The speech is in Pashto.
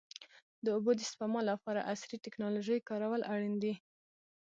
د اوبو د سپما لپاره عصري ټکنالوژي کارول اړین دي.